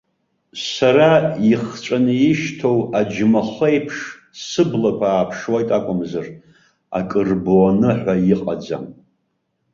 Сара ихҵәаны ишьҭоу аџьмахы еиԥш сыблақәа ааԥшуеит акәымзар, акы рбоны ҳәа иҟаӡам.